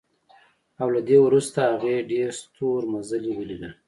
او له دې وروسته هغې ډېر ستورمزلي ولیدل